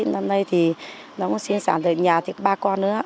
năm nay thì nó cũng sinh sản được nhà ba con nữa